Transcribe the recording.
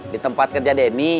di tempat kerja denny